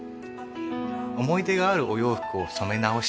思い出があるお洋服を染め直したい